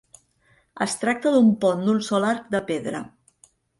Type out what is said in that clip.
Es tracta d'un pont d'un sol arc de pedra.